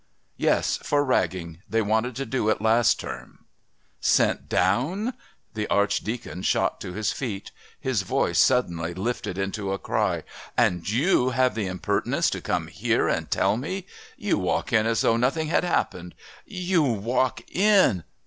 "Yes, for ragging! They wanted to do it last term." "Sent down!" The Archdeacon shot to his feet; his voice suddenly lifted into a cry. "And you have the impertinence to come here and tell me! You walk in as though nothing had happened! You walk in!..."